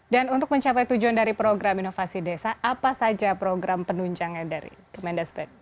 dan untuk mencapai tujuan dari program inovasi desa apa saja program penunjangnya dari kemendas pdtt